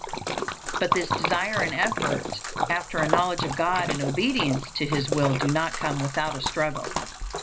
But this desire and effort after a knowledge of God and obedience to His will do not come without a struggle.